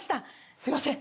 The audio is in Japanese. すみません。